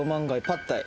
パッタイ。